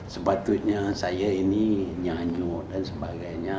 sepatutnya saya ini nyanyut dan sebagainya